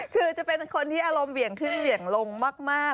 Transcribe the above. คือจะเป็นคนที่อารมณ์เหวี่ยงขึ้นเหวี่ยงลงมาก